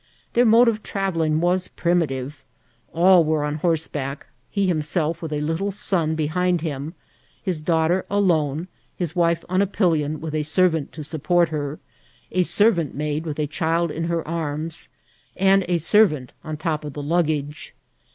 Their mode of travelling was primitive. All were on horseback, he himself with a little son behind him ; his daughter alone ; his wife on a pillion, with a servant to support her ; a servant maid with a child in her arms, and a servant on the top of the luggage.